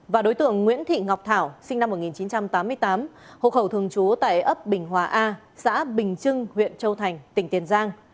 và đối tượng nguyễn thị ngọc thảo sinh năm một nghìn chín trăm tám mươi tám hộ khẩu thường trú tại ấp bình hòa a xã bình trưng huyện châu thành tỉnh tiền giang